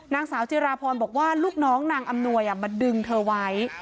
นางสาวจิราพรบอกว่าลูกน้องนางอำนวยมาดึงเธอไว้